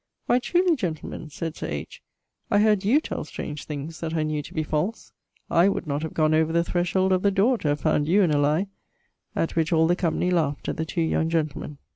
'Why truly, gentlemen,' sayd Sir H. 'I heard you tell strange things that I knew to be false. I would not have gonne over the threshold of the dore to have found you in a lye:' at which all the company laught at the two young gentlemen.